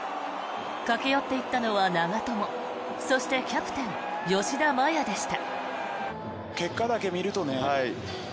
駆け寄っていったのは長友そしてキャプテン、吉田麻也でした。